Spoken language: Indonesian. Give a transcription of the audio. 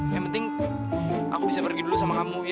yang penting aku bisa pergi dulu sama kamu